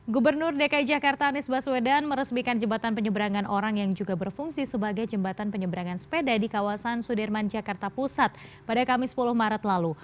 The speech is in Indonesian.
gubernur dki jakarta anies baswedan meresmikan jembatan penyeberangan orang yang juga berfungsi sebagai jembatan penyeberangan sepeda di kawasan sudirman jakarta pusat pada kamis sepuluh maret lalu